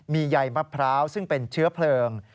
มีใยมะพร้าวซึ่งเป็นเชื้อเพลิง